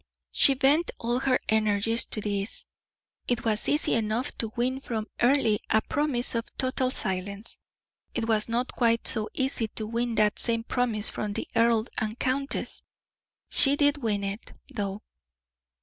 She bent all her energies to this. It was easy enough to win from Earle a promise of total silence; it was not quite so easy to win that same promise from the earl and countess. She did win it, though.